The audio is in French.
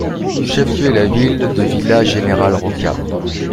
Son chef-lieu est la ville de Villa General Roca.